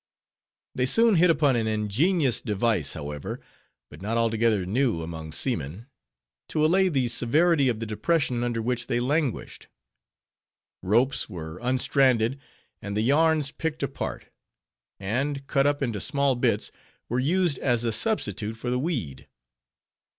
They soon hit upon an ingenious device, however—but not altogether new among seamen—to allay the severity of the depression under which they languished. Ropes were unstranded, and the yarns picked apart; and, cut up into small bits, were used as a substitute for the weed.